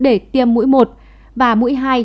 để tiêm mũi một và mũi hai